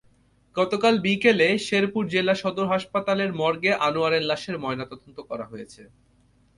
গতকাল বিকেলে শেরপুর জেলা সদর হাসপাতালের মর্গে আনোয়ারের লাশের ময়নাতদন্ত করা হয়েছে।